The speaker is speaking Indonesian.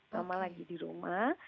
mama lagi di rumah